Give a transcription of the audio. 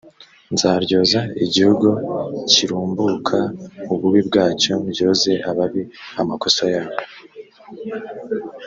nzaryoza igihugu kirumbuka ububi bwacyo ndyoze ababi amakosa yabo